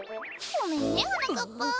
ごめんねはなかっぱ。